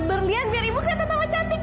berlian biar ibu kena ketawa cantik